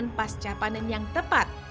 dan juga memiliki manajemen panen yang tepat